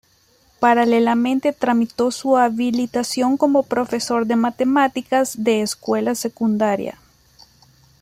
Paralelamente tramitó su habilitación como profesor de matemáticas de escuela secundaria.